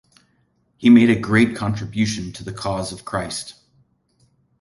He made a great contribution to the cause of Christ.